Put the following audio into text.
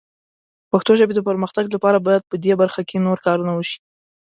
د پښتو ژبې د پرمختګ لپاره باید په دې برخه کې نور کارونه وشي.